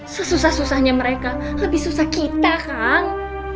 sesusah susahnya mereka lebih susah kita kang